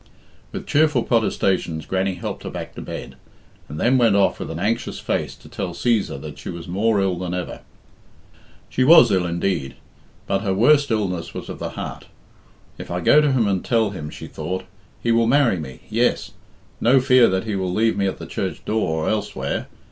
With cheerful protestations Grannie helped her back to bed, and then went off with an anxious face to tell Cæsar that she was more ill than ever. She was ill indeed; but her worst illness was of the heart. "If I go to him and tell him," she thought, "he will marry me yes. No fear that he will leave me at the church door or elsewhere.